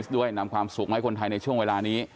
ด้วยนำความสุขมาให้คนไทยในช่วงเวลานี้